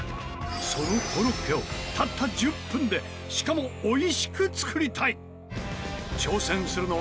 そのコロッケをたった１０分でしかもおいしく作りたい！